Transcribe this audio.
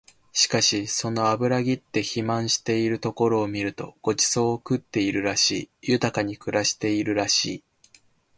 しかしその脂ぎって肥満しているところを見ると御馳走を食ってるらしい、豊かに暮らしているらしい